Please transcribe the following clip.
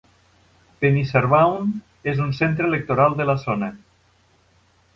Penisarwaun és un centre electoral de la zona.